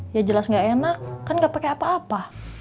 ya jelas gak enak kan gak pake apa apa